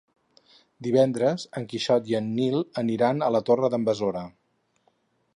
Divendres en Quixot i en Nil aniran a la Torre d'en Besora.